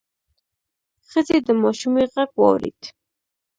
ښځې د ماشومې غږ واورېد: